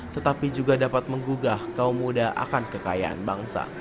tetapi juga dapat menggugah kaum muda akan kekayaan bangsa